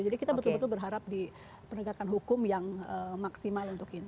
jadi kita betul betul berharap di penegakan hukum yang maksimal untuk ini